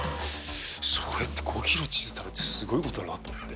それって５ｋｇチーズ食べるってすごいことだなと思って。